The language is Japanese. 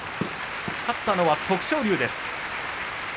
勝ったのは徳勝龍です。